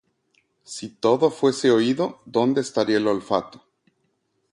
Si todo fuese oído, ¿dónde estaría el olfato?